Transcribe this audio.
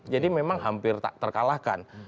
jadi memang hampir tak terkalahkan